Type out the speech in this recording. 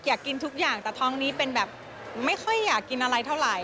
อยากกินทุกอย่างแต่ท้องนี้เป็นแบบไม่ค่อยอยากกินอะไรเท่าไหร่